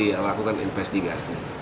pasti akan dilakukan investigasi